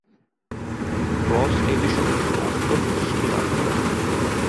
Frost এ বিষয়ে নতুন অন্তর্দৃষ্টি লাভ করেন।